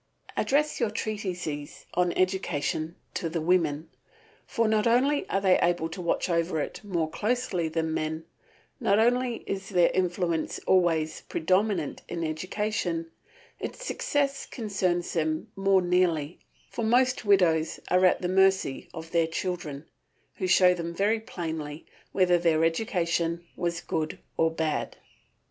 Address your treatises on education to the women, for not only are they able to watch over it more closely than men, not only is their influence always predominant in education, its success concerns them more nearly, for most widows are at the mercy of their children, who show them very plainly whether their education was good or bad.